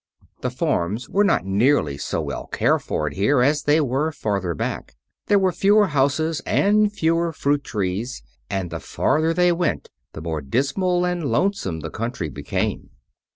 The farms were not nearly so well cared for here as they were farther back. There were fewer houses and fewer fruit trees, and the farther they went the more dismal and lonesome the country became.